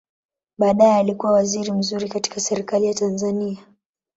Baadaye alikua waziri mzuri katika Serikali ya Tanzania.